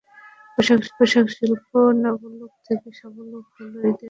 পোশাকশিল্প নাবালক থেকে সাবালক হলো, ঈদের আগে শ্রমিকের বেতন-বোনাসের সমস্যা মিটল না।